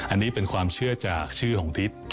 อันนี้เป็นความเชื่อจากชื่อของทิศ